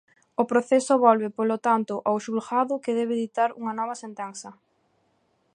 O proceso volve polo tanto ao xulgado que debe ditar unha nova sentenza.